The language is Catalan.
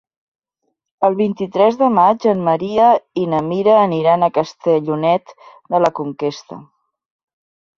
El vint-i-tres de maig en Maria i na Mira aniran a Castellonet de la Conquesta.